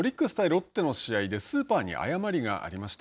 ロッテの試合でスーパーに誤りがありました。